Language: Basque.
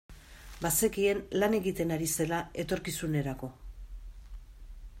Bazekien lan egiten ari zela etorkizunerako.